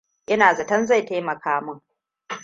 Ina zaton zai taimaka min.